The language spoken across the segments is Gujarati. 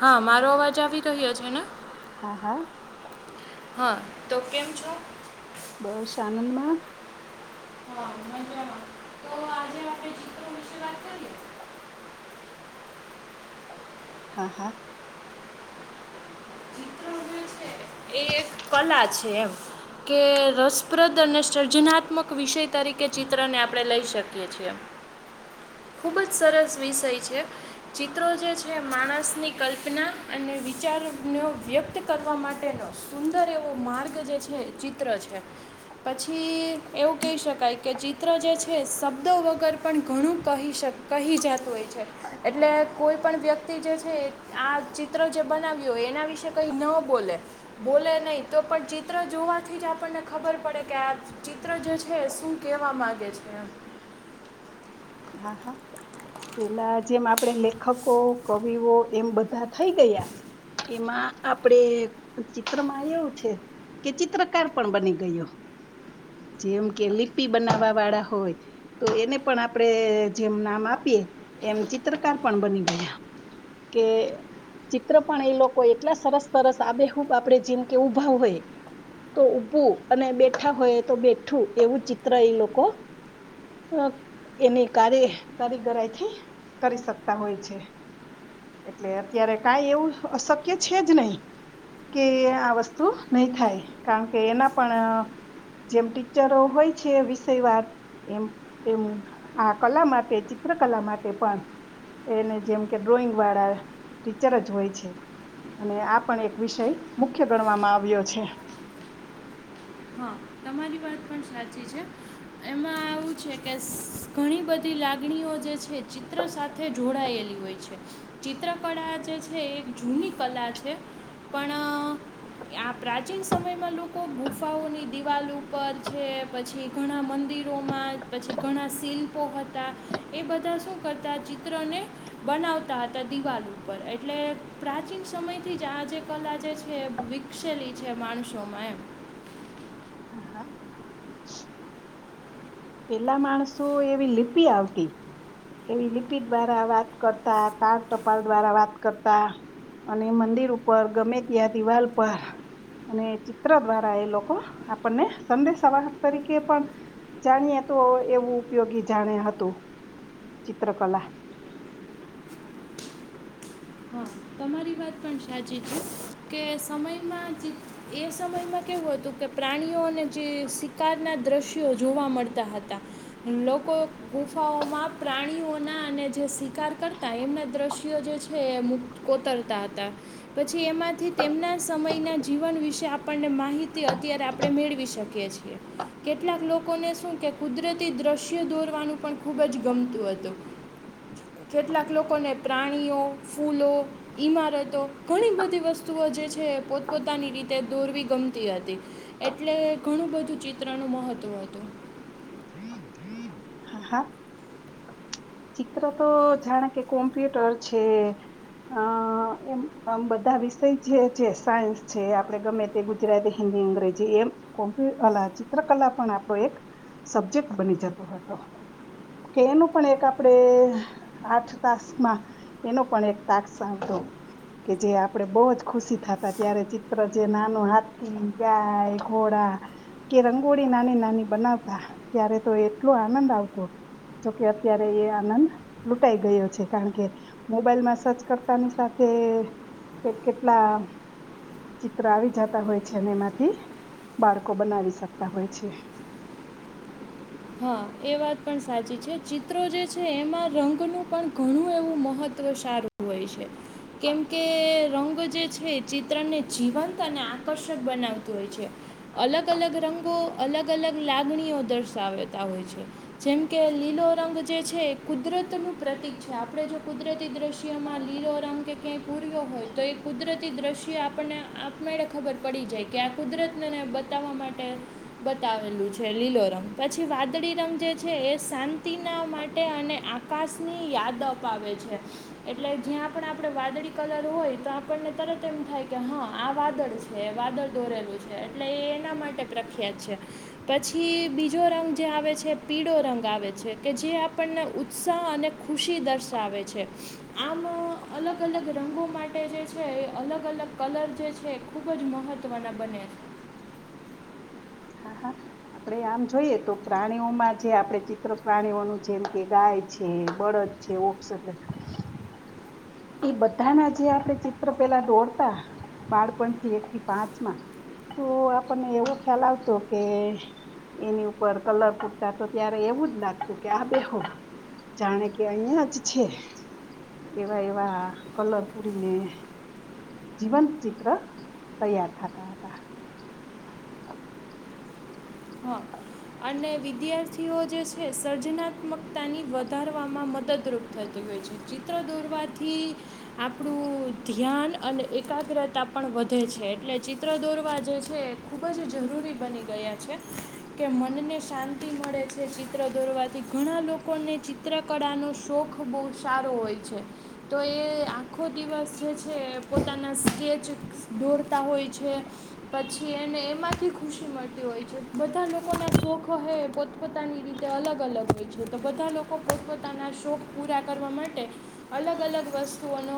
હા, મારો અવાજ આવી ગયો, છેને. હા, હા. હા, તો કેમ છો. બસ, આનંદમાં હા, મજમાં તો આજે આપણે ચિત્રો વિશે વાત કરીએ [unintelligible] હા, હા. ચિત્રો જે [unintelligible] એ એક કલા છે, એમ કે રસપ્રદ અને સર્જનાત્મક વિષય, તરીકે ચિત્રને આપણે લઈ, શકીએ છીએ [unintelligible] ખુબજ સરસ વિષય છે. ચિત્રો જે છે, માણસની કલ્પના અને વિચાર. ન વ્યક્ત કરવા માટેનો સુંદર એવો માર્ગ જે છે, ચિત્ર છે. પછી એવું કહી શકાય કે ચિત્ર જે છે, શબ્દો વગર પણ ઘણું કહી, શકા કહી જતું હોય છે, એટલે કોઈ પણ વ્યક્તિ જે છે, આ ચિત્ર જે બનવ એના વિશે કઈ ન બોલે બોલે નહી, તો પણ ચિત્ર જોવાથી જ આપણને, ખબર પડે કે આ ચિત્ર જે છે, શું કેવા માંગે છે [inaudible] હા, હા પેલા જેમ, આપડે લેખકો કવિઓ એમ બધા થઈ ગયા, એમાં આપડે ચિત્રમાં એવું છે. કે ચિત્રકાર પણ બની, ગયો. જેમ, કે લિપી બનાવવા વાળા હોય, તો એને પણ આપણે જેમ નામ આપીએ, એમ ચિત્રકાર પણ બની ગયા કે. ચિત્ર પણ એ લોકો એટલા સરસ, સરસ આબેહૂબ આપડે જેમ, કે ઊભા હોય. તો ઊભું અને બેઠા હોય, તો બેઠું એવું ચિત્ર એ લોકો અ એની કાર્ય કારીગરાથી કરી શકતા હોય, છે. એટલે અત્યારે કઈ એવું અશક્ય છે, જ નહી. કે આ વસ્તુ નહી, થાય કારણ કે એના પણ જેમ ટીચરો હોય છે, વિષય વાર એમ, એમ આ કલા માટે ચિત્ર કલા માટે, પણ એને જેમ કે ડ્રોઈંગ વાળા ટીચર જ હોય, છે. અને આ પણ એક વિષય મુખ્ય ગણવામાં આવ્યો છે. હા, તમારી વાત પણ સાચી છે. એમાં આવું છે, કે ઘણી બધી લાગણીઓ જે છે, ચિત્ર સાથે જોડાયેલી ચિત્રકળા જે છે, એ એક જૂની કલા છે. પણ આ પ્રાચીન સમયમાં લોકો, ગુફાઓની દિવાલ ઉપર છે, પછી ઘણા મંદિરોમાં પછી ઘણા શિલ્પો હતા. એ બધા શું કરતા ચિત્રને બનાવતા હતા, દિવાલ ઉપર એટલે પ્રાચીન પ્રીન સમય થી જ, આ જે કલા જે છે. વિકસેલી છે, માણસોમાં એમ હા, હા. પેલા માણસ, તો એવી લિપિ આવતી. એવી લિપિ દ્વારા વાત કરતા, તાળ ટપાલ દ્વારા વાત કરતા. અને મંદિર ઉપર ગમે, ત્યાં દિવાલ પર. અને ચિત્ર દ્વારા, એ લોકો આપણને સંદેશવાહક તરીકે પણ. જાણીએ, તો એવું ઉપયોગી જાણે હતું ચિત્રકલા [inaudible] ચ, કે સમયમાં એ સમયમાં કેવું હતું કે પ્ર પ્રણીઓને જે શિકાર ના દ્રશ્યો જોવા મળતા હતા, લોકો ગુફાઓ પ્રાણીઓના અને જે શિકાર કરતા એમના દ્રશ્યો જે છે એ કોતર હતા, પછી એમાંથી તેમના સમયના જીવન વિશે આપણને માહિતી અત્યારે આપણે મેળવી શકીએ છીએ. કેટલાક લોકોને શું કે કુદરતી દ્રશ્ય દોરવાનું પણ ખૂબ જ ગમતું હતું. કેટલાક લોકોને પ્રાણીઓ, ફૂલો. ઈમારતો ઘણી બધી વસ્તુઓ જે છે પોતપોતાની રીતે દોરવી ગમતી હતી. એટલે ઘણું બધું ચિત્રનું મહત્વ હતું. હમ હમ [inaudible] ચિત્ર તો જાણે કે કોમ્પ્યુટર છે. અ એમ આમ બધા વિષય જે છે સાયન્સ છે આપડે ગમે તે ગુજરાતી હિન્દી અંગ્રેજી એમ કોમ્પ્ય ચિત્રકલા પણ આપણો એક સબ્જેક્ટ બની જતો હતો, કે એનું પણ એક આપડે, આઠ તાસ માં એનો પણ એક તાસ આવતો. કે જે આપડે બહુ જ ખુશી થતા ત્યારે ચિત્ર જે નાનું હાથી ગાય ઘોડા કે રંગોળી નાની નાની બનાવતા ત્યારે તો એટલો આનંદ આવતો જોકે અત્યારે એ આનંદ લૂંટાઈ ગયો છે કારણ કે, મોબાઈલમાં સર્ચ કરતાની સાથે કે કેટલા ચિત્ર આવી જતા હોય છે અને એમાંથી બાળકો બનાવી શકતા હોય છે. [inaudible] હા એ વાત પણ સાચી છે ચિત્રો જે છે એમાં રંગનું પણ ઘણું એવું મહત્ત્વ સારું હોય છે, કેમકે રંગ જ જે છે ચિત્રણને જીવંત અને આકર્ષક બનાવતું હોય છે, અલગ અલગ રંગો અલગ અલગ લાગણીઓ દર્શાવે હોય, જેમ કે લીલો રંગ જે છે એ કુદરતનું પ્રતિક છે આપણે જો કુદરતી દ્રશ્યમાં લીલો રંગ કે ક્યાંય પૂર્યો હોય તો એ કુદરતી દ્રશ્ય આપણને આપને ખબર પડી જાય કે આ કુદરતને બતાવવા માટે, બતાવેલું છે લીલો રમ, પછી પછી વાદળી રંગ જે છે એ શાંતિના માટે અને આકાશની યાદ અપાવે છે. એટલે જ્યાં પણ આપડ વાદળી કલર હોય તો આપણને તરત એમ થાય કે હા આ વાદળ વાદળ દોરેલું છે એટલે એ એના માટે પ્રખ્યાત છે, પછી બીજો રંગ જે આવે છે પીળો રંગ આવે છે કે જે આપણને ઉત્સાહ અને ખુશી દર્શાવે છે. આમ અલગ અલગ રંગો માટે જે છે અલગ અલગ કલર જે છે ખુબ જ ખૂબ જ મહત્ત્વના બને. [inaudible] હા હા, આપડે આમ જોઈએ તો પ્રાણીઓમાં જે આપણે ચિત્ર પ્રાણીઓનું જેમ કે ગાય છે બળદ છે ઓક્સ એટલે એ બધાના જે આપણે ચિત્ર પેલા દોડત, બાળપણથી એક થી પાંચમા. તું આપણને એવો ખ્યાલ આવતો કે એની ઉપર કલર પૂટતા તો ત્યારે એવું જ નાખતું કે આ બેહો જાણે કે અહં જ છે, એવા એ કલર પૂરીને જીવંત ચિત્ર તૈયાર થતા હતા. હા અને વિદ્યાર્થીઓ જે છે સર્જનાત્મકતાની વધારવામાં મદદરૂપ થતી. ચિત્ર દોરવાથી, આપણું ધ્યાન અને એકાગ્રતા પણ વધારે વધે છે એટલે ચિત્ર દોરવા જે છે એ ખૂબ જ જરૂરી બની ગયા છે. કે મનને શાંતિ મળે છે ચિત્ર દોરવાથી ઘણા લોકોને ચિત્રકળાનો શોખ ખૂબ સારો હોય છે, તો એ આખો દિવસ જે છે પોતાના સ્કેચ દોરતા હોય છે. પછી એને એમાંથી ખુશી મળતી હોય છે. બધા લોક કોના શોખ હોય પોતપોતાની રીતે અલગ અલગ હોય છે તો બધા લોકો પોતપોતાના શોખ પૂરા કરવા માટે અલગ અલગ વસ્તુઓનો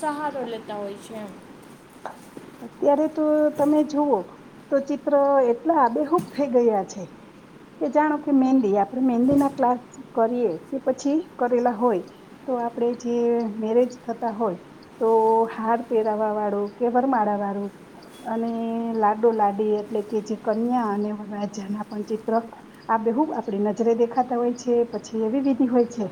સહારો લેતા હોય છે એમ. હા અત્યારે તો તમે જુઓ તો ચિત્ર એટલા આબેહૂબ થઈ ગયા છે કે જાણો કે મહેંદી આપણેે મહેંદી ના ક્લાસ કરીએ કે પછી કરેલા હોય તો આપડે જે મેરેજ થતા હોય તો હાર પહેરાવા વાળું કે વરમાળા વાળું અને લાડો લાડી એટલે કે જે કન્યા અને વરાજા ના પણ ચિત્ર આ બે બ આપડી નજરે દેખાતા હોય છે, પછી એવી વિધિ હોય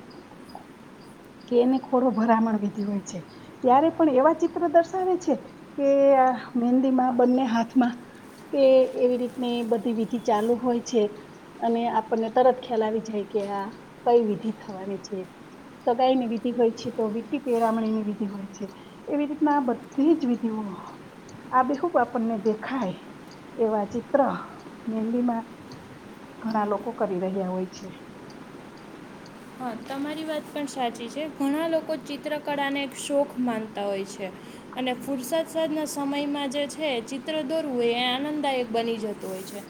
છે કે એને ખોડો ભરામણ વિધી હોય છે. ત્યારે પણ એવા ચિત્ર દર્શાવે છે કે મહેંદીમાં બંને હાથમાં કે એવી રીતની બધી વિધિ ચાલુ હોય છે અને આપણને તરત ખ્યાલ આવી જાય કે આ કઈ વિધિ થવાની છે. સગાઈ ની વિધિ હોય છે તો વીટી પેરામણી ની વિધિ હોય છે. એવી રીતના બધી જ વિધિ હોય [unintelligible] આ બહુ આપણને દેખાય એવા ચિત્ર મેંદીમાં ઘણા લોકો કરી રહ્યા હોય છે. હા તમારી વાત પણ સાચી છે. ઘણા લોકો ચિત્રકળાને એક શોખ માનતા હોય છે અને ફુરસાદ સાદ ના સમયમાં જે છે ચિત્ર દોરવું હોય એ આનંદદાયક બની જતું હોય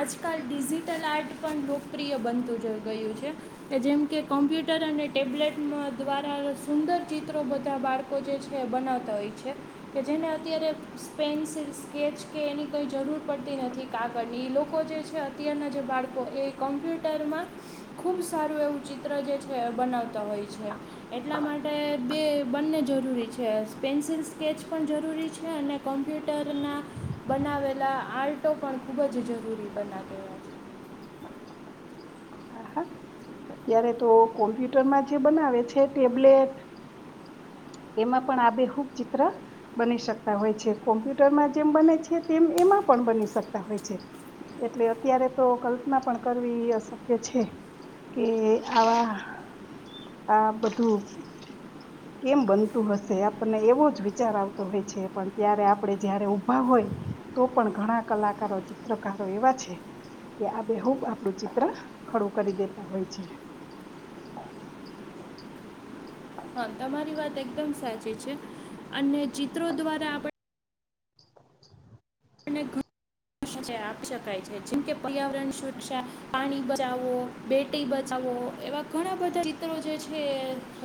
આજકાલ ડિજિટલ આર્ટ પણ લોકપ્રિય બનતું ગ ગયું છે કે જેમ કે કોમ્પ્યુટર અને ટેબ્લેટ દ્વારા સુંદર ચિત્રો બધા બાળકો જે છે બનાવતા હોય છે કે જેને અત્યારે પેન્સિલ સ્કેચ કે એની કોઈ જરૂર પડતી નથી. કા ગળ લોકો જે છે અત્યારના જે બાળકો એ કોમ્પ્યુટરમાં ખૂબ સારું એવું ચિત્ર જે છે બનાવતા હોય છે. એટલા માટે બે બંને જરૂરી છે. પેન્સિલ સ્કેચ પણ જરૂરી છે અને કમ્પ્યુટરના બનાવેલા આર્ટો પણ ખૂબ જ જરૂરી બના કેવા છે. હ અત્યારે તો કોમ્પ્યુટરમાં જે બનાવે છે ટેબલેટ એમાં પણ આબેેહુબ ચિત્ર બની શકતા હોય છે. કોમ્પ્યુટરમાં જેમ બને છે તેમ એમાં પણ બની શકતા હોય છે. એટલે અત્યારે તો કલ્પના પણ કરવી અશક્ય છે. કે આવા આ બધું કેમ બનતું હશે આપણને એવો જ વિચાર આવતો હોય છે પણ ત્યારે આપડે જયારે ઉભા હોય તો પણ ઘણા કલાકારો ચિત્રકારો એવા છે કે આબેહુબ આપડું ચિત્ર ખડું કરી દેત તા હોય છે. હા તમારી વાત એકદમ સાચી છે અને ચિત્રો દ્વારા આપડ ને ઘ આપી શકાય છે. જેમકે પર્યાવરણ સુરક્ષા, પાણી બચાવો, બેટી બચાવો એવા ઘણા બધા ચીત્ર જે છે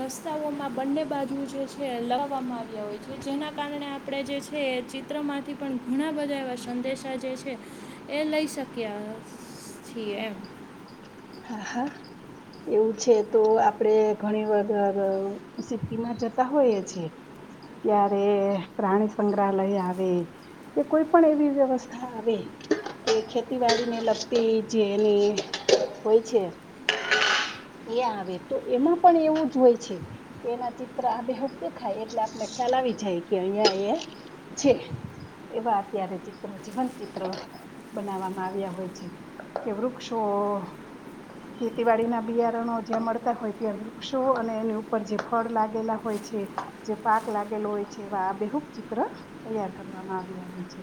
રસ્તાઓમાં બંને બાજુ જે છે લગ આવ્યા હોય છે. જેના કારણે આપણે જે છે એ ચિત્રમાંથી પણ ઘણા બધા એવા સંદેશા જે છે એ લઈ શક્યા છીએ એમ. હા હા. એવું છે તો આપડે ઘણી વગર સિટીમાં જતા હોઈએ છેએ ત્યારે પ્રાણી સંગ્રહાલય આવે કે કોઈ પણ એવી વ્યવસ્થા આવે કે ખેતીવાડી ને લગતી જે એની હોય છે. એ આવે તો એમાં પણ એવું જ હોય છે કે એના ચિત્ર આબેહબ દેખાય એટલે આપને ખ્યાલ આવ આવી જાય કે અહિયાં અહીંયા છે. એવા અત્યારે ચિત્ર જીવંત ચિત્ર બનાવવામાં આવ્યા હોય છે કે વૃક્ષો ઓ ખેતીવાડી ના બિયારણો જ્યાં મળતા હોય ત્યાં વૃક્ષો અને એની ઉપર જે ફળ લાગેલા હોય છે જે પાક લાગેલો હોય છે એવા આ બેહુક ચિત્ર તૈયાર કરવામાં આવ્યા હોય છે.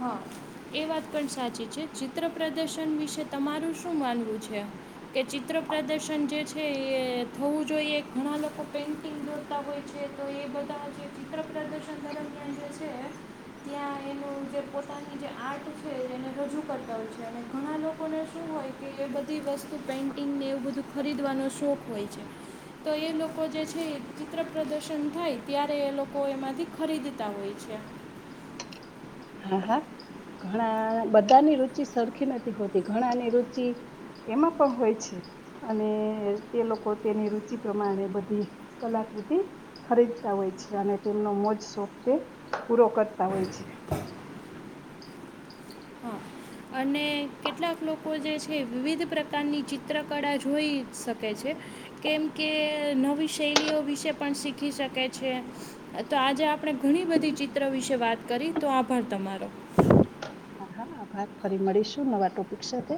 હા એ વાત પણ સાચી છે. ચિત્ર પ્રદર્શન વિશે તમારું શું માનવું છે? કે ચિત્ર પ્રદર્શન જે છે એ થવું જોઈએ ઘણા લોકો પેઇન્ટિંગ જોતા હોય છે તો એ બધા જે ચિત્ર પ્રદર્શન કરે ત્યાં એનું જે પોતા આર્ટ છે એને રજૂ કરતા હોય છે અને ઘણા લોકોને શું હોય કે એ બધી વસ્તુ પેઇન્ટિંગ ને એવું બધું ખરીદવાનો શોખ હોય છે. તો એ લોકો જે છે એ ચિત્ર પ્રદર્શન થાય ત્યારે એ લોકો એમાંથી ખરીદતા હોય છે હા, હા. ઘણા બધાની રુચિ સરખી નથી હોતી ઘણાની રુચિ એમાં પણ હોય છે અને તે લોકો તેની રુચિ પ્રમાણે બધી કલા કૃતિ ખરીદતા હોય છે, અને તેમનો મોજ શોખ તે પૂરો કરતા હોય છે. હા અને કેટલાક લોકો જે છે વિવિધ પ્રકારની ચિત્ર કળા જોઈ શકે છે. કેમ કે નવી શૈલીઓ વિશે પણ શીખી શકે છે અહ તો આજે આપ પડે ઘણી બધી ચિત્ર વિશે વાત કરી, તો આભાર તમારો. હા, ભાગ ફરી મળીશું નવા ટોપિક સાથે.